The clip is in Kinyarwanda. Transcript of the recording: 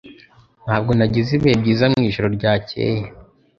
Ntabwo nagize ibihe byiza mwijoro ryakeye